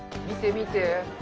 見て見て。